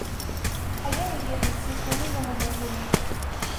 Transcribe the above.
А я не ведаю, ці існуе ён увогуле.